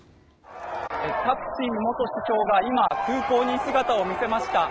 タクシン元首相が今、空港に姿を見せました。